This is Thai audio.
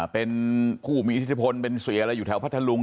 เป็นผู้มีอิทธิพลเป็นเสียอะไรอยู่แถวพัทธลุง